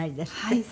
はい。